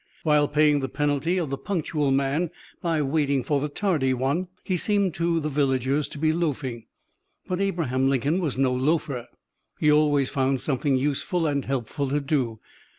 While paying the penalty of the punctual man by waiting for the tardy one he seemed to the villagers to be loafing. But Abraham Lincoln was no loafer. He always found something useful and helpful to do.